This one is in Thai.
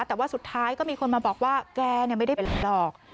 แต่ว่าสุดท้ายก็มีคนมาบอกว่าแกไม่ได้เป็นดอก